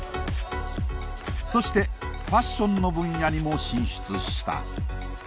そしてファッションの分野にも進出した。